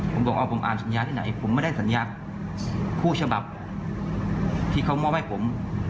ผมบอกว่าผมอ่านสัญญาที่ไหนผมไม่ได้สัญญาคู่ฉบับที่เขามอบให้ผม